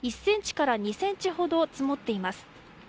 １ｃｍから２ｃｍほど積もっています。